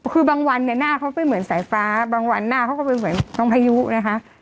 คือบางวันเนี่ยหน้าเขาไม่เหมือนสายฟ้าบางวันหน้าเขาก็เป็นเหมือนน้องพายุนะคะ